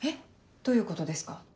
どういうことですか？